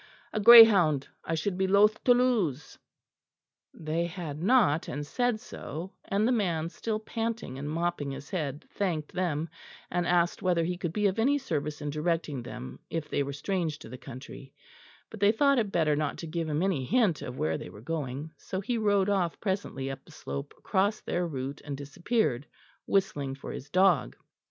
A greyhound I should be loath to lose." They had not, and said so; and the man, still panting and mopping his head, thanked them, and asked whether he could be of any service in directing them, if they were strange to the country; but they thought it better not to give him any hint of where they were going, so he rode off presently up the slope across their route and disappeared, whistling for his dog.